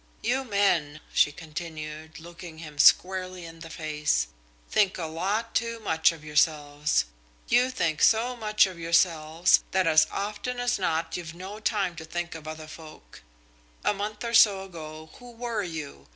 "You men," she continued, looking him squarely in the face, "think a lot too much of yourselves. You think so much of yourselves that as often as not you've no time to think of other folk. A month or so ago who were you?